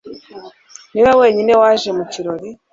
niwe wenyine waje mu kirori